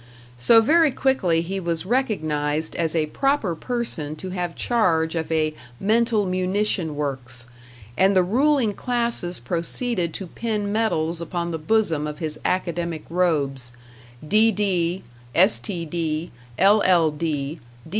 So very quickly he was recognized as a proper person to have charge of a Mental Munition Works; and the ruling classes proceeded to pin medals upon the bosom of his academic robes D.D., S.T.D., L.L.